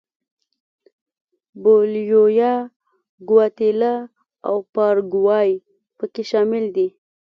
بولیویا، ګواتیلا او پاراګوای په کې شامل دي.